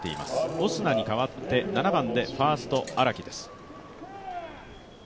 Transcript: オスナに代わって、７番でファースト・荒木です。